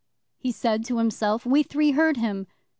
he said to himself. We three heard him.